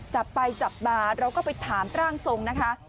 จับไปจับมาเราก็ไปถามร่างทรงนะคะ